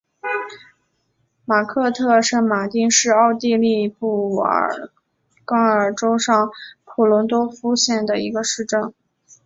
马克特圣马丁是奥地利布尔根兰州上普伦多夫县的一个市镇。